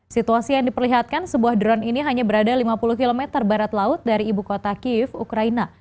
situasi yang diperlihatkan sebuah drone ini hanya berada lima puluh km barat laut dari ibu kota kiev ukraina